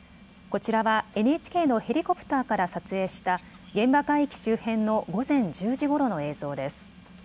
こちらはＮＨＫのヘリコプターから撮影した現場海域周辺の午前１０時ごろの映像です。